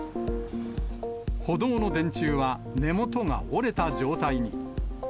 歩道の電柱は根元が折れた状態に。